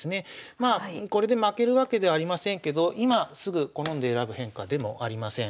まあこれで負けるわけではありませんけど今すぐ好んで選ぶ変化でもありません。